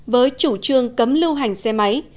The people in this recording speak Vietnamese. với chủ trương cấm lưu hành xe máy